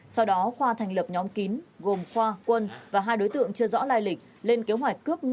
sau đó khoa thành lập nhóm kín gồm khoa quân và hai đối tượng chưa rõ lai lịch lên kế hoạch cướp